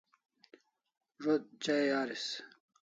Zo't chai aris